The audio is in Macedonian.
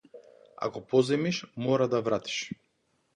Ако позајмиш мораш да вратиш.